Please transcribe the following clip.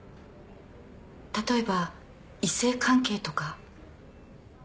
例えば異性関係とか。